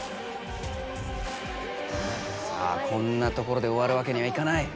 さあこんなところでおわるわけにはいかない。